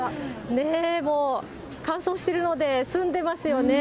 もう乾燥してるので、澄んでますよね。